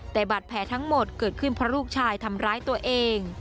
แต่บาดแผลทั้งหมดเกิดขึ้นเพราะลูกชายทำร้ายตัวเอง